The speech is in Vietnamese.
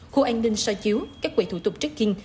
khu an ninh so chiếu các quầy thủ tục tracking